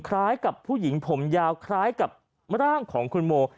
คล้ายกับผู้หญิงผมยาวคล้ายกับร่างของคุณโม